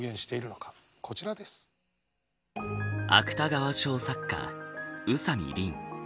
芥川賞作家宇佐見りん。